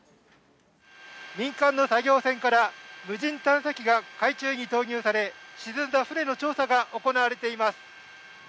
民間の作業船から無人探査機が海中に投入され、沈んだ船の調査が行われています。